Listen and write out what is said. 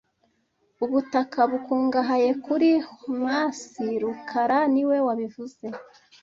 Ubutaka bukungahaye kuri humus rukara niwe wabivuze